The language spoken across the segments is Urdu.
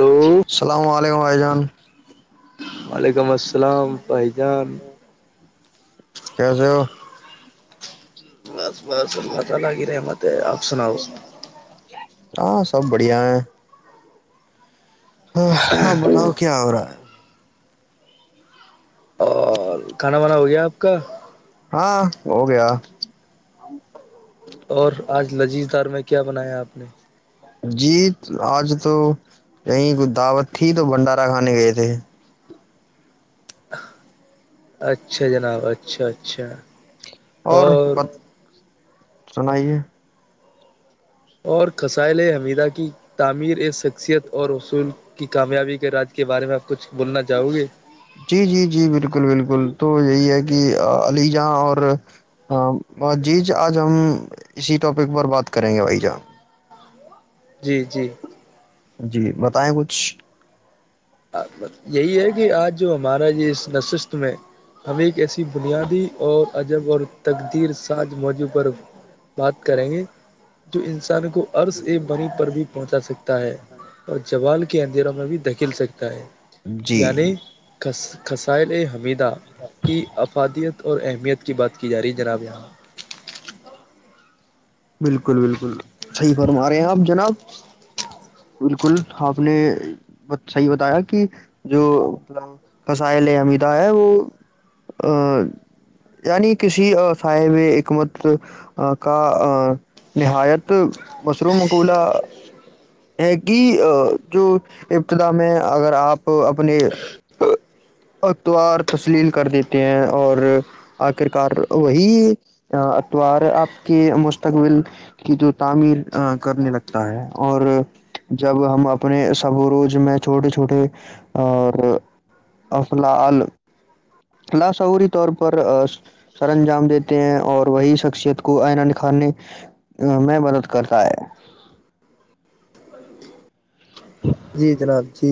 ہلو السلام علیکم وائی جاں ہ وعلیکم السلام بائیجان کیس ہو بس بس اللہ تعالی کی رحمت ہے سناؤ ہاں سب بڑھیا ہے بناؤ کیا ہو رہا ہے اور کھانا وانا ہو گیا اپ کا ہاں ہو گیا اور آج نجیز دھار میں کیا بنایا اپ نے جی اج تو کہیں کوئی دعوت تھی تو بندہ رہا نہیں گئے تھے اچھا جناب اچھا اچھا اور سنائیے اور خصائل حمیدہ کی تعمیر شخصیت اور اصول کی کامیابی کے راج کے بارے میں اپ کچھ بولنا چاہو گے جی جی جی بالکل بالکل تو یہی ہے کہ علی یہاں اور جی اج ہم اسی ٹاپک پر بات کریں گے بھائی جان جی جی جی بتائیں کچھ یہی ہے کہ اج جو ہمارا اس نشست میں ہمیں کیسی بنیادی اور جب اور تیر سات موجوں پر بات کریں گے تو پر بھی پہنچا سکتا ہے اور جوال کے اندھیرا میں بھی دھکیل سے جی جی یعنی کس [unintelligible] کی افادیت اور اہمیت کی بات کی جا رہی ہے جناب یہاں بالکل بالکل صحیح فرما رہے ہیں اپ جناب بالکل اپ نے صحیح بتایا کہ جو قصائل امیدہ ہے وہ ا یعنی کسی سائے میں حکمت کا ا نہایت مصرومقولہ ابتدا میں اگر اپ اپنی اتوار تسلیل کر دیتے ہیں اور اکر کار کرنے لگتا ہے اور جب ہم اپنے صبروج میں چھوٹے چھوٹے اور افلاوری طور پر سرانجام دیتے ہیں اور وہی شخصیت کو ائینہ دکھانے میں مدد کرتا ہے جی جناب جی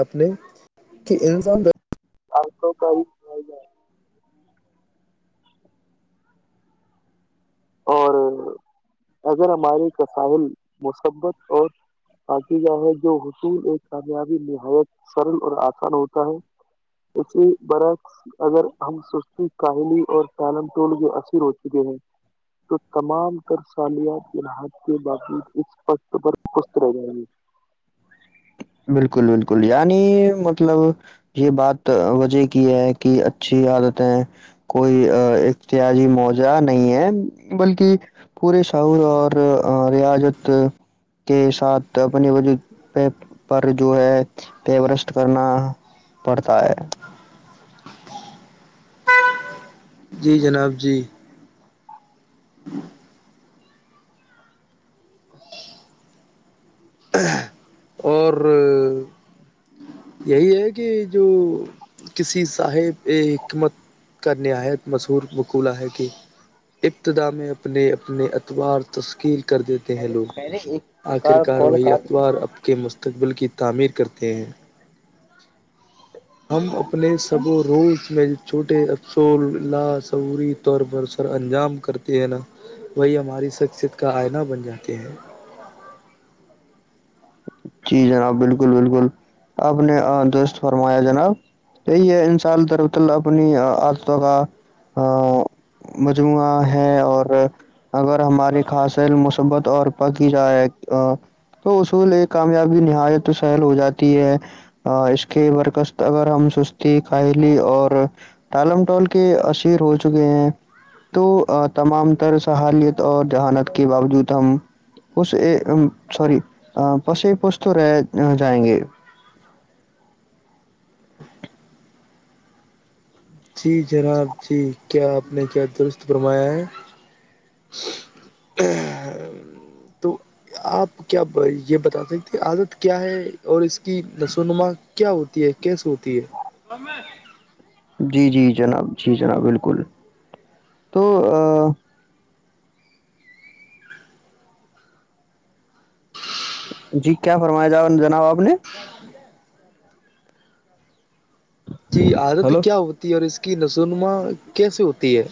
اپ نے اور اگر ہماری قصائل مصیبت اور پاکیزہ ہے جو حصول ایک کامیابی نہایت سرن پر اسان ہوتا ہے اسے برعکس اگر ہم سستی کاہلی اور پیلنٹول کے اثر ہو چکے ہیں تو تمام تر سالیات کی نہایت کے باقی اس وقت پر پست رہ جائے گی بالکل بالکل یعنی مطلب یہ بات وجہ کی ہے کہ اچھی عادتیں کوئی احتیازی موجرہ نہیں ہے بلکہ پورے شعور اور ریاجت کے ساتھ بنی ولی پہ پر جو ہے پیورسٹ کرنا پڑتا ہے جی جناب جی [inaudible] اور یہی ہے کہ جو کسی صاحب حکمت کرنے ائے مسور وکولہ ہے کہ ابتدا میں اپنے اپنے اعتبار تسکیل کر دیتے ہیں پہلے پہلے لوگ ایک اخر کا کار کال وہی کاٹ اتوار اب کے مستق کی تعمیر کرتے ہیں ہم اپنے سبوں روز میں چھوٹے افسول لا سوری طور پر سرانجام کرتی ہے نا بھئی ہماری شخصیت کا ائینہ بن جاتی ہے جی جناب بالکل بالکل اپ نے درست فرمایا جناب انسان کی طرف اللہ اپنی مجموعہ ہے اور اگر ہماری خاصہ علم مثبت اور پاکیزہ ہے تو اصول کامیابی نہایت تو سائل ہو جاتی ہے ا اس کے مرکز اگر ہم سستی کائلی اور ٹالم ڈول کے اسیر ہو چکے ہیں تو تمام تر سہالیت اور جہالت کی باوجود ہم اس سوری بس تو رہ جائیں گے جی جناب جی کیا اپ نے کیا فرمایا ہے تو اپ کیا یہ بتا سکتے تھے عادت کیا ہے اور ایک لسونما کیا ہوتی ہے کیس ہوتی ہے جی جی جناب جی جناب بالکل تو جی کیا فرمایا جناب اپ نے جی عادت ہلو کیا ہوتی ہے اور اس کی نزونما کیسے ہوتی ہے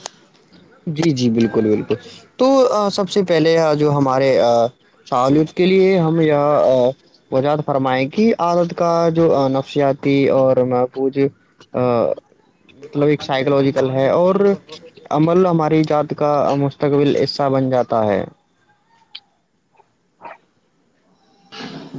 جی جی بالکل بالکل تو سب سے پہلے جو ہمارے سالنز کے لیے ہم یا وجاعت فرمائیں کہ عورت کا جو نفسیاتی اور محفوجی ا مطلب ایک سائیکلوجیکل ہے اور عمل ہماری جد کا مستقبل حصہ بن جاتا ہے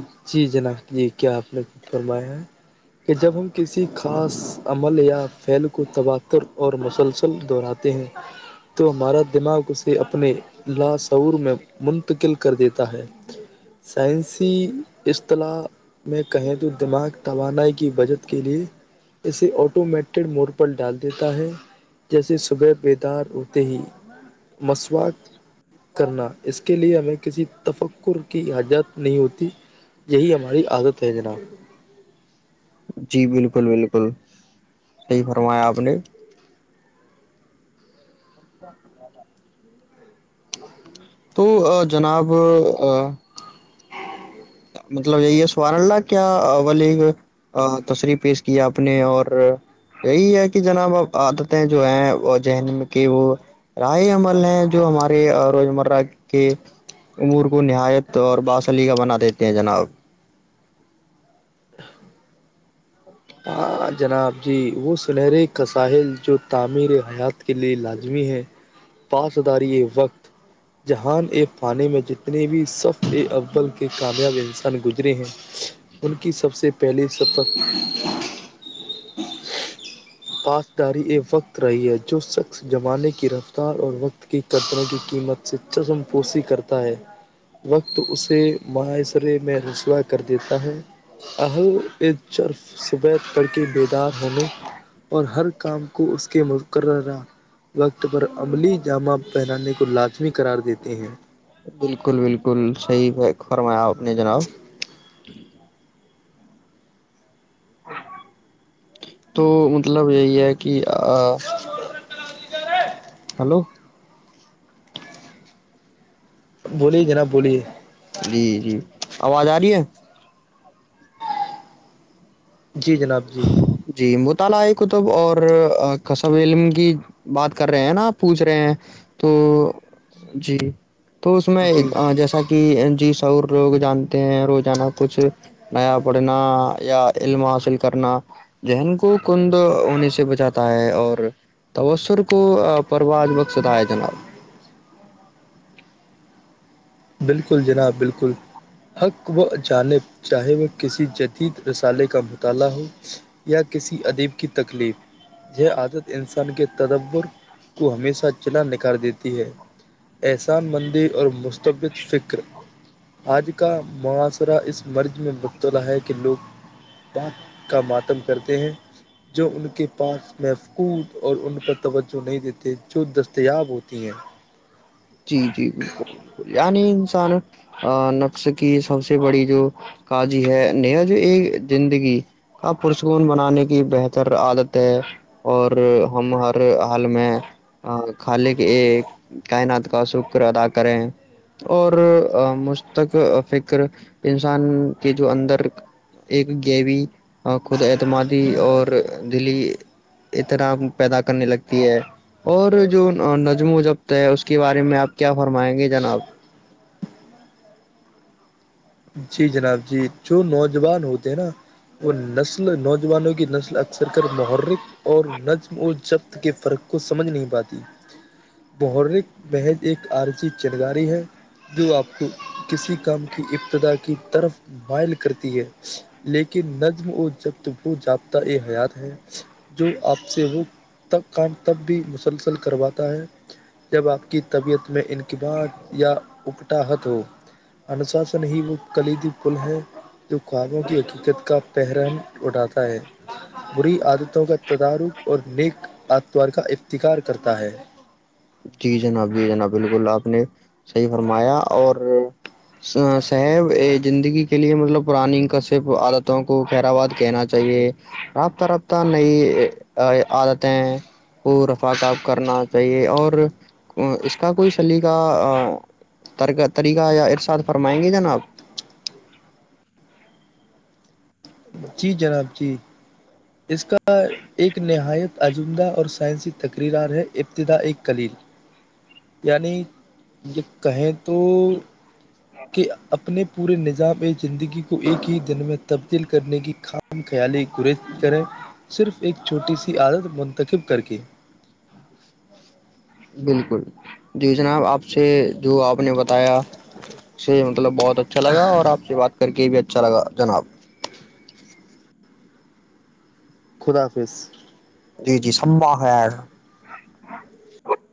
[unintelligible] [unintelligible] [unintelligible] لیے ہمیں کسی تفکر کی حجات نہیں ہوتی یہی ہماری عادت ہے جناب جی بالکل بالکل صحیح فرمایا آپ نے [inaudible] تو جناب مطلب یہی ہے سوار اللہ کیا الی تصریح پیش کیا آپ نے اور یہی ہے کہ جناب اب عادتیں جو ہیں ذہن کے وہ رائے عمل ہیں جو ہمارے روزمرہ کے امور کو نہایت اور باسلی کا بنا دیتے کہنے جناب اچکا ہاں جناب جی وہ سنہرے کاسحل جو تعمیرحیات کے لیے لازمی ہے پاو سدرییجنہن ایک پانی میں جیتنے بصفے اول کی کامیابی گزرے ہیں ان کی سب سےپہلے سفال پسداری یہ وقت رہی ہے جو شخص زمانے کی رفتار اور وقت کی قدروں کی قیمت سے چسم پوسی کرتا ہے وقت اسے معاشرے میں رسوا کر دیتا ہےلرف صب کرڑ کے بیدار ہونے اور ہر کام کو اس کے مقررہ وقت پر عملی جامہ پہنانے کو لازمی قرار دیتے ہیں بالکل بالکل صحیح فرمایا آپ نے جناب تو مطلب یہی ہے کہ کیا ہے جا ہیلو بولیے جناب بولیے جی جی آواز آ رہی ہے جی جناب جی جی مطالعہ ایک ک تب اور کصب علم کی بات کر رہے ہیں نا پوچھ رہے ہیں تو جی تو اس میں جی جیسا کہ جی شور لوگ جانتے ہیں روزانہ کچھ نیا پڑھنا یا علم حاصل کرنا ذہن کو کند ہونے سے بچاتا ہے اور تسر کو پرواج بخشت ہے جناب بالکل جناب بالکل حق و جانب چاہے وہ کسی جدید رسالے کا مطالعہ ہو یا کسی ادیب کی تکلیف یہ عادت انسان کے تدور کو ہمیشہ چلا نکار دیتی ہے احسان مندی اور م طبت فکر [unintelligible] آج کا معاصرہ اس مرض میں مبتلا ہے کہ لوگ پپ کا ماتم کرتے ہیں جو ان کے پاس محفقود اور ان پر توجہ نہیں دیتے جو دستیاب ہوتی ہیں جی جی بالکل بالکل یعنی انسان نقش کی سب سے بڑی جو کاجی ہے ن جو ایک زندگی کا پرسکون بنانے کی بہتر عادت ہے اور ہم ہر حال میں خالے کے کائنات کا شکر ادا کریں اور مستق فکر انسان کے جو اندر ایک گیوی خود اعتمادی اور دلی احترام پیدا کرنے لگتی ہے اور جو نظم و جبط ہے اس کے بارے میں آپ کیا فرمائیں گے جناب جی جناب جی جو نوجوان ہوتے ہیں نا وہ نسل نوجوانوں کی نسل اکثر کر محرک اور نظم و جبط کے فرق کو سمجھ نہیں پاتی محرک محض ایک عارضی چنگاری ہے جو آپ کو کسی کام کی ابتدا کی طرف مائل کرتی ہے لیکن نظم و جب وہ جابطہ ا حیات ہے جو آپ سے وہب کام تب بھی مسلسل کرواتا ہے جب آپ کی طبیعت میں انقبات یا اکٹا حت ہو انوشاسن ہی وہ کلیدی پل ہے جو خوابوں کی حقیقت کا پحرم اھاتا ہے بری عادتوں کا تدارک اور نیک آتوار کا افتکار کرتا ہے جی جناب جی جناب بالکل آپ نے صحیح فرمایا اور صاحب زندگی کے لیے مطلب پرانی کشب عادتوں کو پہر آ واد کہنا چاہیے رابطہ رابطہ نئی عادتیں کو رف کاب کرنا چاہیے اور اس کا کوئی سلی کا ٹرکا طریقہ یا ارشاد فرمائیں گے جناب جی جناب جی اس کا ایک نہایت عجمدہ اور سائنسی تقریرار ہے ابتدا ایک کلیل یعنی ج کہیں تو کہ اپنے پورے نظام ایک زندگی کو ایک ہی دن میں تبدیل کرنے کی خام خیالی گریز کریں صرف ایک چھوٹی سی عادت منتخب کر کے بالکل جی جناب آپ سے جو آپ نے بتایا اس سے مطلب بہت اچھا لگا اور آ سے بات کر کے بھی اچھا لگا جناب خدا حافظ جی جی شببا خیر